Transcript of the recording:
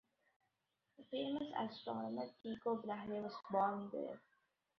The famous astronomer Tycho Brahe was born there.